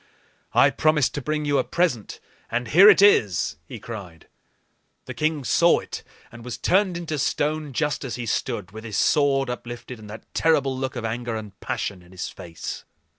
"I promised to bring you a present, and here it is!" he cried. The king saw it, and was turned into stone, just as he stood, with his sword uplifted and that terrible look of anger and passion in his face.